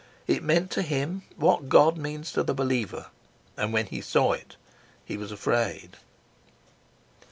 It meant to him what God means to the believer, and when he saw it he was afraid.